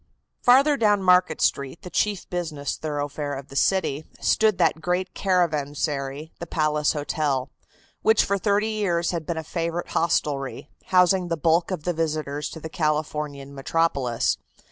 Farther down Market Street, the chief business thoroughfare of the city, stood that great caravansary, the Palace Hotel, which for thirty years had been a favorite hostelry, housing the bulk of the visitors to the Californian metropolis.